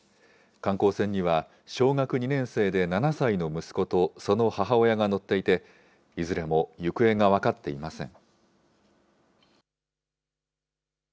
観光船には、小学２年生で７歳の息子と、その母親が乗っていて、いずれも行方が分かっていません。